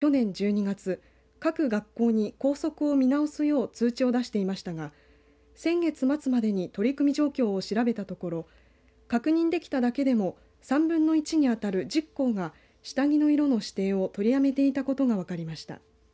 これを受けて県教育委員会は去年１２月各学校に校則を見直すよう通知を出していましたが先月末までに取り組み状況を調べたところ確認できただけでも３分の１にあたる１０校が下着の色の指定を取りやめていたことが分かりました。